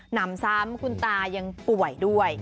นำซ้ำคุณตายังป่วยด้วย